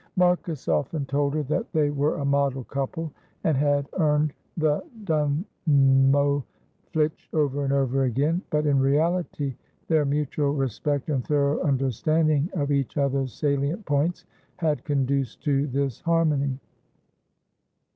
Marcus often told her that they were a model couple, and had earned the Dunmow Flitch over and over again, but in reality their mutual respect and thorough understanding of each other's salient points had conduced to this harmony.